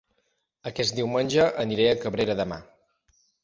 Aquest diumenge aniré a Cabrera de Mar